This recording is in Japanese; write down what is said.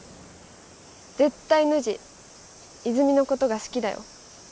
絶対ノジ泉のことが好きだよ